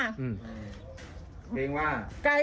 เกรงว่า